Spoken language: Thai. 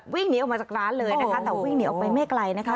วิ่งหนีออกมาจากร้านเลยนะคะแต่วิ่งหนีออกไปไม่ไกลนะคะ